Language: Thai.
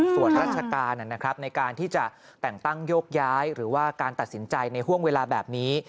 ส่วนราชการในการที่จะแต่งตั้งโยกย้ายหรือว่าการตัดสินใจในห่วงเวลาแบบนี้